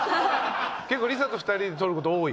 結構理佐と２人で撮ること多い？